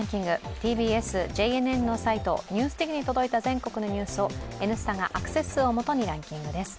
ＴＢＳ・ＪＮＮのニュースサイト「ＮＥＷＳＤＩＧ」に届いた全国のニュースを「Ｎスタ」がアクセス数をもとにランキングです。